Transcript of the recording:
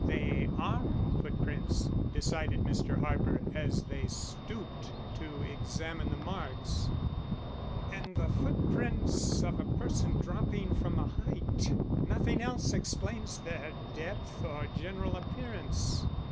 "They are footprints," decided Mr. Harper as they stooped to examine the marks, "and the footprints of a person dropping from a height. Nothing else explains their depth or general appearance."